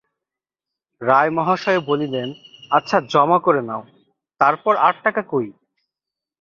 রায় মহাশয় বলিলেন-আচ্ছা-জমা করে নাও-তারপর আর টাকা কই?